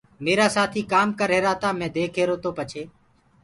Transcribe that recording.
ميرآ سآٿيٚ ڪآم ڪريهرآ تآ مي ديک ريهرو تو پڇي